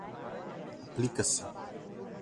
aplica-se